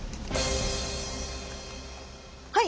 はい！